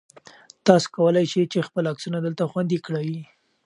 تاسو کولای شئ چې خپل عکسونه دلته خوندي کړئ.